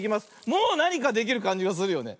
もうなにかできるかんじがするよね。